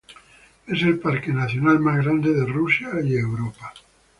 Es el parque nacional más grande de Rusia y Europa.